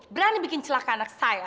berani bikin celaka anak saya